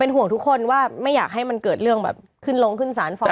ห่วงทุกคนว่าไม่อยากให้มันเกิดเรื่องแบบขึ้นลงขึ้นสารฟ้อง